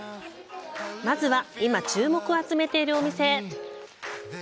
まずは、今注目を集めているお店へ。